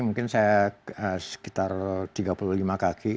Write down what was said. mungkin saya sekitar tiga puluh lima kaki